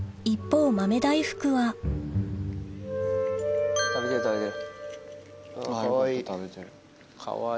はい。